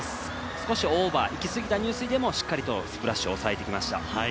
少しオーバーいき過ぎた入水でもしっかりスプラッシュ抑えてきました。